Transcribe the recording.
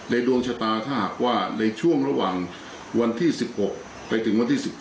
ดวงชะตาถ้าหากว่าในช่วงระหว่างวันที่๑๖ไปถึงวันที่๑๙